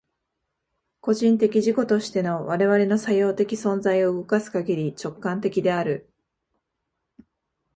個人的自己としての我々の作用的存在を動かすかぎり、直観的である。